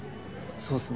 そうっすね。